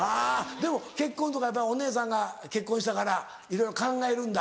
でも結婚とかやっぱお姉さんが結婚したからいろいろ考えるんだ。